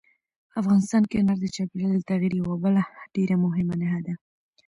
افغانستان کې انار د چاپېریال د تغیر یوه بله ډېره مهمه نښه ده.